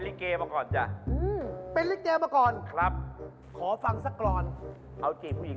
รูปร่างหน้าตารูปร่างหน้าตาดีจริง